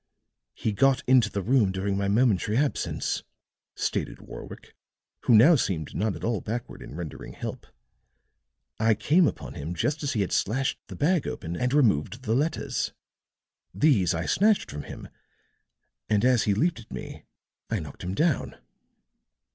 "He got into the room during my momentary absence," stated Warwick, who now seemed not at all backward in rendering help. "I came upon him just as he had slashed the bag open and removed the letters. These I snatched from him, and as he leaped at me I knocked him down.